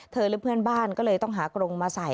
หรือเพื่อนบ้านก็เลยต้องหากรงมาใส่